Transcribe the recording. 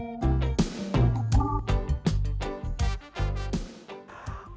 sambungkan adonan terakhir di dalam air restaurant ke enam menit